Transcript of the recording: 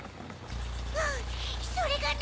うんそれがね。